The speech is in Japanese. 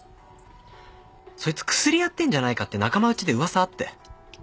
そいつクスリやってんじゃないかって仲間うちで噂あって。